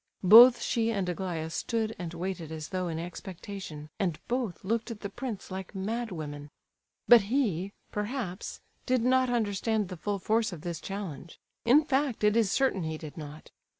Both she and Aglaya stood and waited as though in expectation, and both looked at the prince like madwomen. But he, perhaps, did not understand the full force of this challenge; in fact, it is certain he did not.